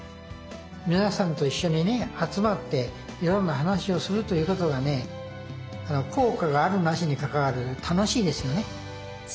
皆さんと一緒にね集まっていろんな話をするということがね効果があるなしにかかわらず楽しいですよね。